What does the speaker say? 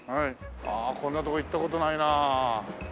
こんな所行った事ないな。